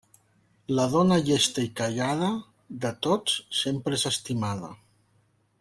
La dona llesta i callada, de tots sempre és estimada.